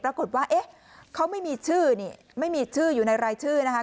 ปรากฏว่าเอ๊ะเขาไม่มีชื่อนี่ไม่มีชื่ออยู่ในรายชื่อนะคะ